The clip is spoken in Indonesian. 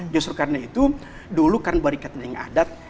justru karena itu dulu karena berikatan dengan adat